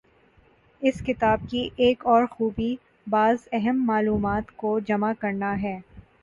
اس کتاب کی ایک اور خوبی بعض اہم معلومات کو جمع کرنا ہے۔